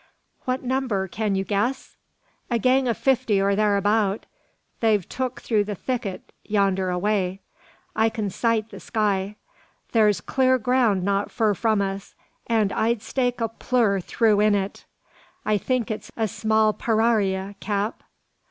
"What number; can you guess?" "A gang o' fifty or tharabout. They've tuk through the thicket yander away. I kin sight the sky. Thur's clur ground not fur from us; and I'd stak a plew thur in it. I think it's a small parairia, cap."